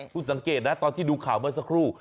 คุณสังเกตนะตอนที่ดูข่าวเมื่อสักครู่